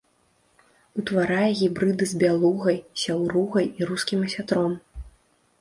Утварае гібрыды з бялугай, сяўругай і рускім асятром.